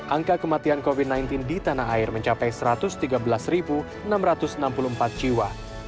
angka kematian covid sembilan belas di tanah air mencapai satu ratus tiga belas enam ratus enam puluh empat jiwa